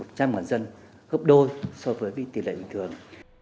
là một mươi chín hai trên một trăm linh dân gấp đôi so với tỷ lệ bình thường